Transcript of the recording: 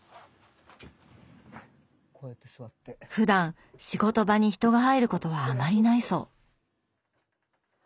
ふだん仕事場に人が入ることはあまりないそう。